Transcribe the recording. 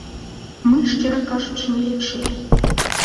Мы, шчыра кажучы, не лічылі.